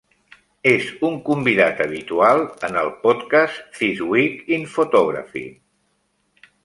És un convidat habitual en el podcast This Week in Photography.